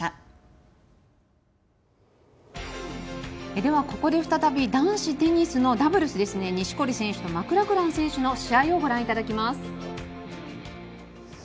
では、ここで再び男子テニスのダブルス錦織選手とマクラクラン選手の試合をご覧いただきます。